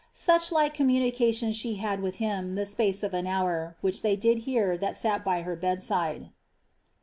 Such like Communications she had with him the space of an hour, which they did hear that sat by her bedside."